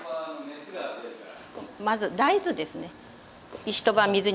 まず大豆ですね。